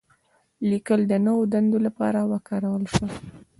لیکل د نوو دندو لپاره وکارول شول.